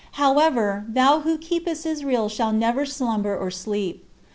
However, thou who "keepest Israel shall neither slumber nor sleep."